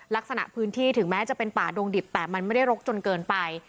ลักษณะพื้นที่ถึงแม้จะเป็นป่าดงดิบแต่มันไม่ได้รกจนเกินไป